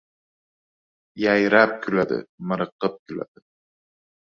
Yayrab kuladi, miriqib kuladi!